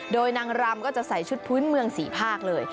โดยนางรำก็จะใส่ชุดพื้นเมือง๔ภาคเลย